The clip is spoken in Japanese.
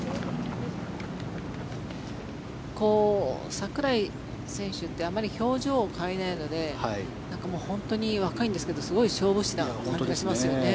櫻井選手ってあまり表情を変えないので本当に若いんですけどすごい勝負師な感じがしますね。